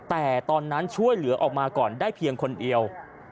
แต่ตอนนั้นช่วยเหลือออกมาก่อนได้เพียงคนเดียว